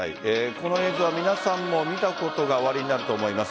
この映像は皆さんも見たことがおありになると思います。